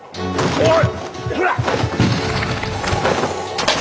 おい！